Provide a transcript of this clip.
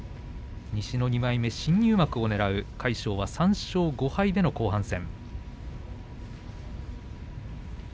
西の２枚目、新入幕をねらう魁勝３勝５敗での後半戦。